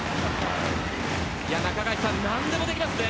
中垣内さん、何でもできますね。